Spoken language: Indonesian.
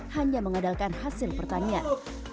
hanya mengadalkan hasil pertanian